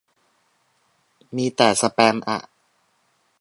มีแต่สแปมอ่ะ